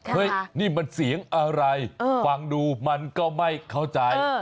เฮ้ยนี่มันเสียงอะไรฟังดูมันก็ไม่เข้าใจ